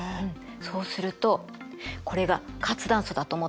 そうするとこれが活断層だと思ってね。